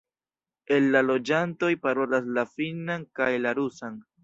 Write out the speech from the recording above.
El la loĝantoj parolas la finnan kaj la rusan.